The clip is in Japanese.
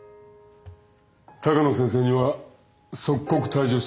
鷹野先生には即刻退場してもらおう。